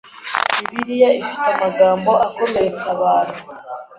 Bibiliya ifite amagambo akomeretsa abantu